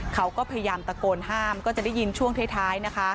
เขาก็พยายามตะโกนห้ามก็จะได้ยินช่วงท้ายนะคะ